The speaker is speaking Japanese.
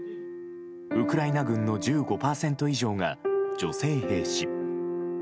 ウクライナ軍の１５％以上が女性兵士。